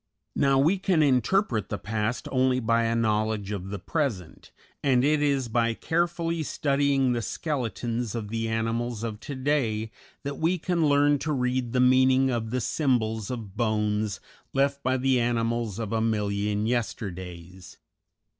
Now we can interpret the past only by a knowledge of the present, and it is by carefully studying the skeletons of the animals of to day that we can learn to read the meaning of the symbols of bones left by the animals of a million yesterdays.